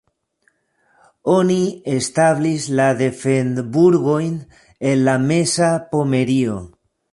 Oni establis la defend-burgojn en la meza Pomerio.